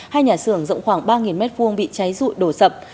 hai nhà xưởng rộng khoảng ba m hai bị cháy rụi đổ sập